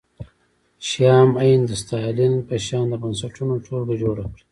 شیام عین د ستالین په شان د بنسټونو ټولګه جوړه کړه